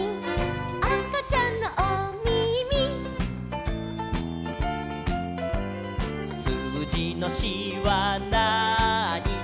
「あかちゃんのおみみ」「すうじの４はなーに」